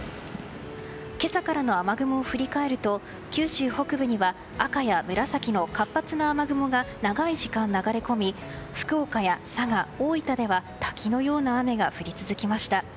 今朝からの雨雲を振り返ると九州北部には赤や紫の活発な雨雲が長い時間流れ込み福岡や佐賀、大分では滝のような雨が降り続きました。